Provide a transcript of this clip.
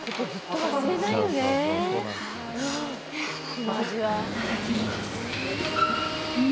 この味は。